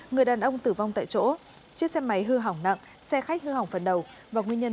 người đàn ông tử vong tại chỗ chiếc xe máy hư hỏng nặng xe khách hư hỏng phần đầu và nguyên nhân